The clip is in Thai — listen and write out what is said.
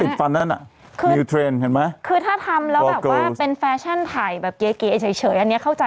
ชั่วคราวโอเคนะเป็นเทรนด์แบบเก๋เฉย